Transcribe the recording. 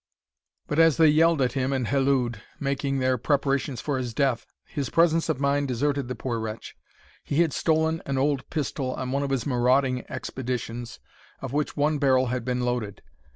But as they yelled at him and hallooed, making their preparations for his death, his presence of mind deserted the poor wretch. He had stolen an old pistol on one of his marauding expeditions, of which one barrel had been loaded.